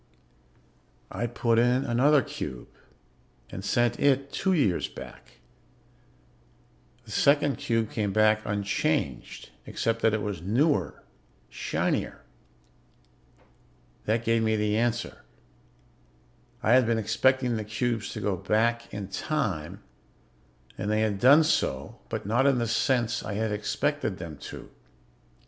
"I put in another cube and sent it two years back. The second cube came back unchanged, except that it was newer, shinier. "That gave me the answer. I had been expecting the cubes to go back in time, and they had done so, but not in the sense I had expected them to.